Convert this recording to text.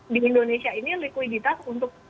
di indonesia ini likuiditas untuk